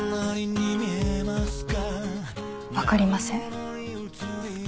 分かりません。